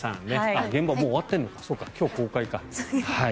現場はもう終わっているのか今日公開か。